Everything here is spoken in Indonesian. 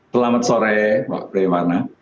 selamat sore mbak premana